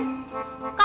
kalau punya anak cewek